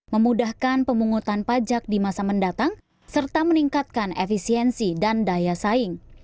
memudahkan pemungutan pajak di masa mendatang serta meningkatkan efisiensi dan daya saing